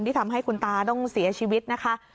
ทำให้คุณตาต้องเสียชีวิตนะคะ